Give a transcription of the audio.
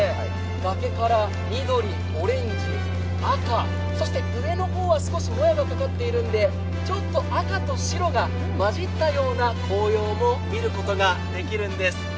崖から緑、オレンジ、赤、そして上の方は少しもやがかかっているので、赤と白が混じっているような紅葉が見れるんです。